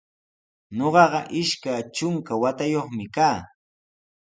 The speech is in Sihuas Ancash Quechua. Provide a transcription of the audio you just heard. Ñuqaqa ishka trunka watayuqmi kaa.